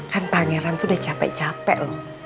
kan pangeran tuh udah capek capek loh